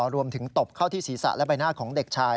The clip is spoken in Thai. ตบเข้าที่ศีรษะและใบหน้าของเด็กชาย